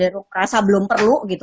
rasa belum perlu gitu